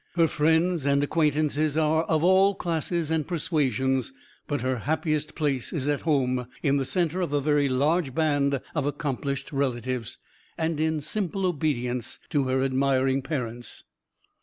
Her friends and acquaintances are of all classes and persuasions, but her happiest place is at home, in the centre of a very large band of accomplished relatives, and in simplest obedience to her admiring parents."